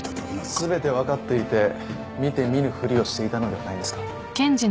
全て分かっていて見て見ぬふりをしていたのではないんですか。